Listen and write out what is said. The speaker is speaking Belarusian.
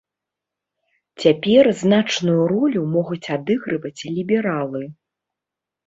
Цяпер значную ролю могуць адыгрываць лібералы.